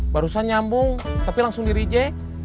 barusan nyambung tapi langsung di reject